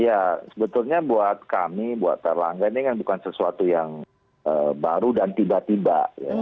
ya sebetulnya buat kami buat erlangga ini kan bukan sesuatu yang baru dan tiba tiba